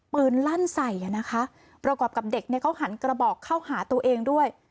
ลั่นใส่อ่ะนะคะประกอบกับเด็กเนี่ยเขาหันกระบอกเข้าหาตัวเองด้วย